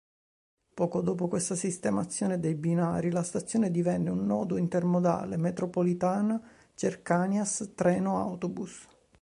Poco dopo questa sistemazione dei binari la stazione divenne un nodo intermodale metropolitana-Cercanias-treno-autobus.